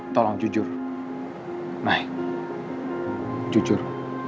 tolong jujur naya jujur